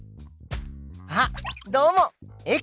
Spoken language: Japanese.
あっどうもです。